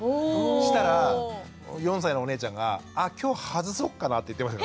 したら４歳のお姉ちゃんが「あ今日ハズそっかな？」って言ってました。